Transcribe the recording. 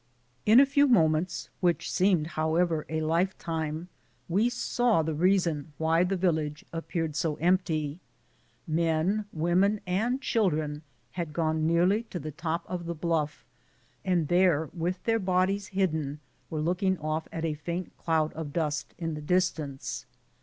In a few moments, which seemed however a lifetime, we saw the reason why the village appeared so empty. Men, women, and children had gone nearly to the top of the bluff, and there, with their bodies hidden, were looking off at a faint cloud of dust in the distance.